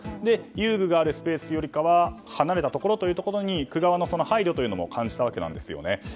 遊具があるスペースよりは離れたところということで区側の配慮も感じたんですよね。